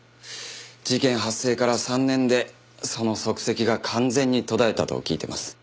事件発生から３年でその足跡が完全に途絶えたと聞いてます。